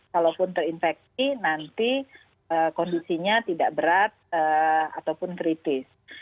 kalaupun terinfeksi nanti kondisinya tidak berat ataupun kritis